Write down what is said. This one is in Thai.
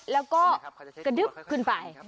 แล้วก็กระดึ๊บขึ้นไป